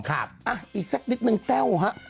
ค่ะอีกสักนิดหนึ่งแต้วฮะ